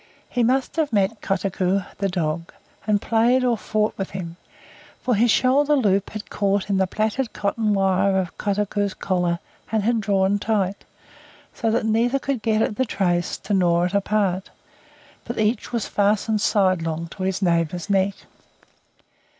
He must have met Kotuko the dog, and played or fought with him, for his shoulder loop had caught in the plaited copper wire of Kotuko's collar, and had drawn tight, so that neither could get at the trace to gnaw it apart, but each was fastened sidelong to his neighbour's neck.